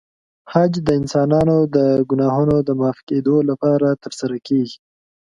حج د انسانانو د ګناهونو د معاف کېدو لپاره ترسره کېږي.